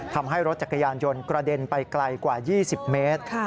ทำให้รถจักรยานยนต์กระเด็นไปไกลกว่า๒๐เมตร